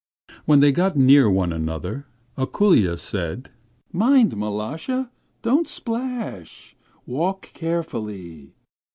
When they got near one another, Ako√∫lya said: 'Mind, Mal√°sha, don't splash. Walk carefully!'